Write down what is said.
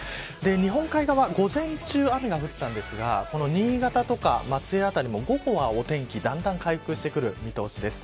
日本海側午前中、雨が降ったんですがこの新潟とか松江辺りも午後はお天気だんだん回復してくる見通しです。